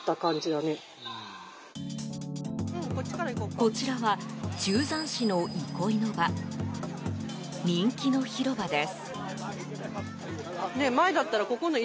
こちらは中山市の憩いの場人気の広場です。